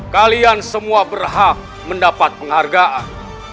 kalian semua berhak mendapat penghargaan